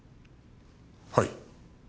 はい。